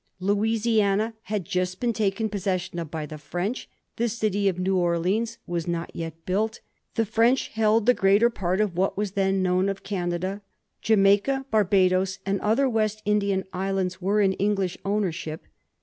Louisiana had just been taken possession of by the French. The city of New Orleans was not yet built. The French held the greater part of what was then known of Canada ; Jamaica, Barbadoes, and other West Indian islands were in England's ownership.